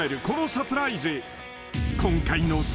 このサプライズ］